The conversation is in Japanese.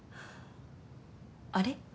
あれ？